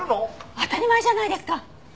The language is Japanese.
当たり前じゃないですか！